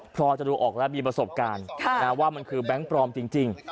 พอจะดูออกแล้วมีประสบการณ์ว่ามันคือแบงค์ปลอมจริง